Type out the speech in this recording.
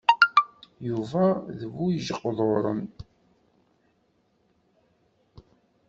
Yuba d bu-ijeqduṛen.